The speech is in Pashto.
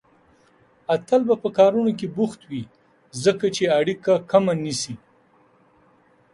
اتل به په کارونو کې بوخت وي، ځکه چې اړيکه کمه نيسي.